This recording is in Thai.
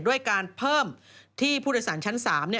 ด้วยการเพิ่มที่ผู้โดยสารชั้น๓